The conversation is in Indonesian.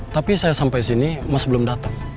tapi saya sampai sini mas belum dateng